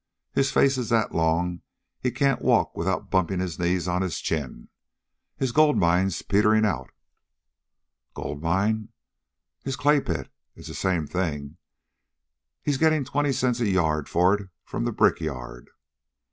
His face is that long he can't walk without bumpin' his knee on his chin. His gold mine's peterin' out." "Gold mine!" "His clay pit. It's the same thing. He's gettin' twenty cents a yard for it from the brickyard."